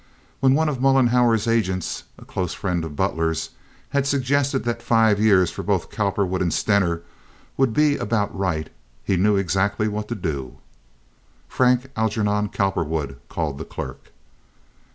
When one of Mollenhauer's agents, a close friend of Butler's, had suggested that five years for both Cowperwood and Stener would be about right, he knew exactly what to do. "Frank Algernon Cowperwood," called the clerk.